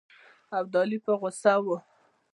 ابدالي په غوسه وو.